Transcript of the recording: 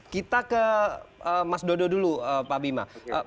kita ke mas dodo dulu pak bima